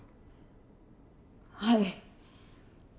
はい。